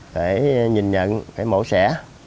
phải nhìn nhận phải mổ xẻ